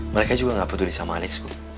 mereka juga nggak peduli sama alex bu